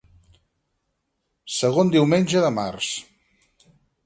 Segon diumenge de març.